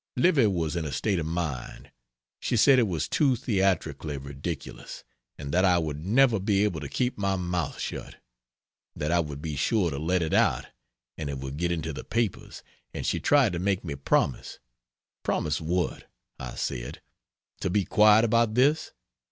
Livy was in a state of mind! She said it was too theatrically ridiculous; and that I would never be able to keep my mouth shut; that I would be sure to let it out and it would get into the papers and she tried to make me promise "Promise what?" I said "to be quiet about this?